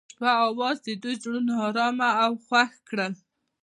د شپه اواز د دوی زړونه ارامه او خوښ کړل.